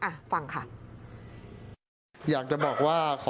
อ่ะฟังค่ะ